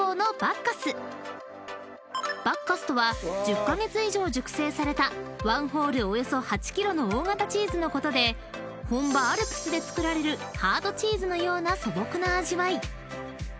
［バッカスとは１０カ月以上熟成された１ホールおよそ８ｋｇの大型チーズのことで本場アルプスで作られるハードチーズのような素朴な味わい］